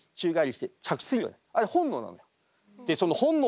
あれ本能なの。